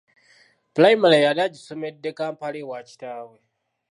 Pulayimale yali agisomedde kampala ewa kitaawe.